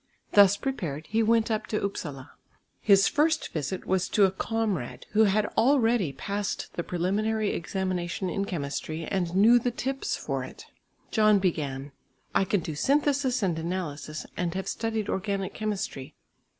Thus prepared, he went up to Upsala. His first visit was to a comrade, who had already passed the preliminary examination in chemistry, and knew the "tips" for it. John began: "I can do synthesis and analysis, and have studied organic chemistry."